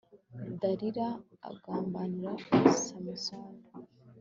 dalila agambanira samusoni